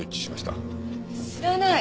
知らない！